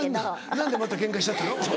何でまたケンカしちゃったの？